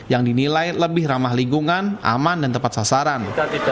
yang dinilai lebih ramah lingkungan aman dan tepat sasaran